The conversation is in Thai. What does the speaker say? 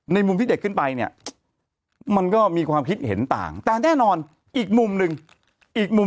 มุมที่เด็กขึ้นไปเนี่ยมันก็มีความคิดเห็นต่างแต่แน่นอนอีกมุมหนึ่งอีกมุม